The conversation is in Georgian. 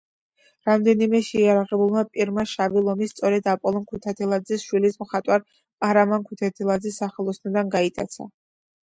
რამდენიმე შეიარაღებულმა პირმა, „შავი ლომი“ სწორედ აპოლონ ქუთათელაძის შვილის, მხატვარ ყარამან ქუთათელაძის სახელოსნოდან გაიტაცა.